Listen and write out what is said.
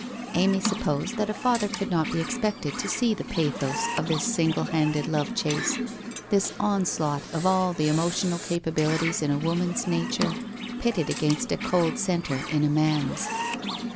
Amy supposed that a father could not be expected to see the pathos of this single handed love chase, this onslaught of all the emotional capabilities in a woman's nature pitted against a cold centre in a man's.